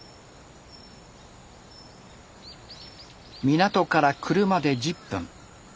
港から車で１０分。